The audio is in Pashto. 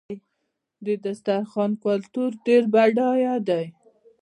د دسترخوان کلتور ډېر بډایه دی.